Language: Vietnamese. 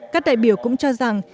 các đại biểu cũng cho rằng